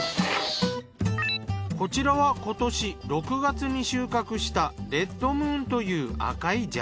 こちらは今年６月に収穫したレッドムーンという赤いじゃがいも。